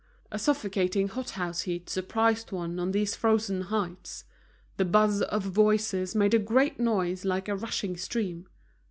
A suffocating hot house heat surprised one on these frozen heights. The buzz of voices made a great noise like a rushing stream.